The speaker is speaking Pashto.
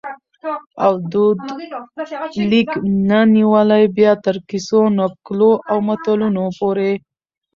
او دود لیک نه نیولي بیا تر کیسو ، نکلو او متلونو پوري